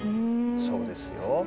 そうですよ。